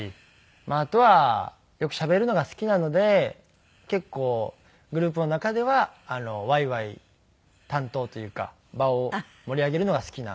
あとはよくしゃべるのが好きなので結構グループの中ではワイワイ担当というか場を盛り上げるのが好きな。